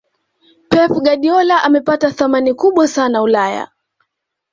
pep guardiola amepata thamani kubwa sana ulaya